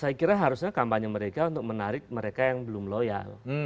saya kira harusnya kampanye mereka untuk menarik mereka yang belum loyal